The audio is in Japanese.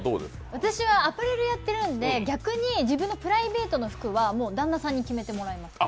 私はアパレルやってるんで私のプライベートの服は逆に旦那さんに決めてもらいます。